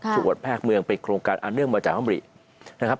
ถูกหวัดแพรกเมืองเป็นโครงการอ่านเรื่องมาจากฮัมรินะครับ